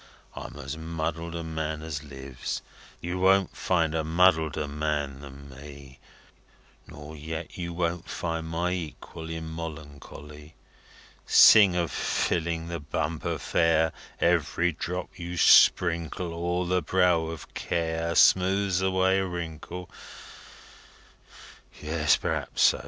I'm as muddled a man as lives you won't find a muddleder man than me nor yet you won't find my equal in molloncolly. Sing of Filling the bumper fair, Every drop you sprinkle, O'er the brow of care, Smooths away a wrinkle? Yes. P'raps so.